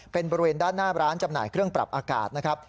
เป็นบริเวณด้านหน้าร้านจำหน่ายเครื่องปรับอากาศนะครับ